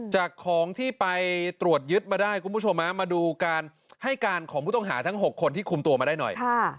จากของที่ไปตรวจยึดมาได้คุณผู้ชมมาดูการให้การของผู้ต้องหาทั้ง๖คนที่คุมตัวมาได้หน่อย